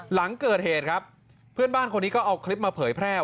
หลังเกิดเหตุครับเพื่อนบ้านคนนี้ก็เอาคลิปมาเผยแพร่